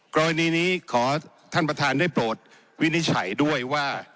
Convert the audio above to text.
กรณีนี้ขอท่านประธานได้โปรดวินิจฉัยด้วยว่า